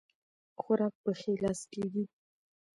خوراک په ښي لاس کيږي